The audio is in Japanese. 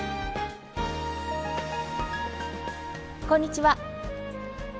こんにちは。